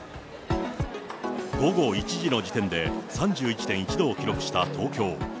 午後１時の時点で３１．１度を記録した東京。